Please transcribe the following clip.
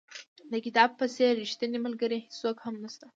د کتاب په څېر ریښتینی ملګری هېڅوک هم نشته.